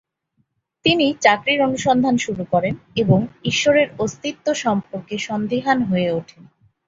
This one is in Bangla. তিনি চাকরির অনুসন্ধান শুরু করেন এবং ঈশ্বরের অস্তিত্ব সম্পর্কে সন্দিহান হয়ে ওঠেন।